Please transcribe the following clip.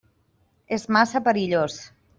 És massa perillós.